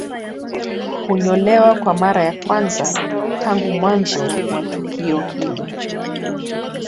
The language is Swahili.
Hunyolewa kwa mara ya kwanza tangu mwanzo wa tukio hili